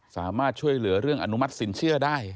สามารถช่วยเหลือเรื่องอนุมัติสินเชื่อได้